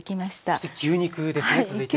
そして牛肉ですね続いては。